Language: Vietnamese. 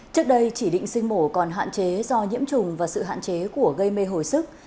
trước đây chỉ định sinh mổ còn hạn chế do nhiễm trùng và sự hạn chế của gây mê hồi sức